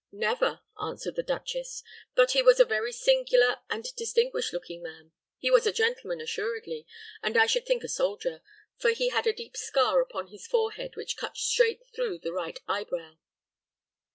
"Never," answered the duchess; "but he was a very singular and distinguished looking man. He was a gentleman assuredly, and I should think a soldier; for he had a deep scar upon the forehead which cut straight through the right eyebrow."